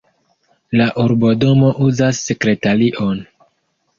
La urbodomo uzas sekretarion.